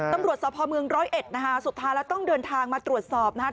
ตำรวจสพเมืองร้อยเอ็ดนะคะสุดท้ายแล้วต้องเดินทางมาตรวจสอบนะฮะ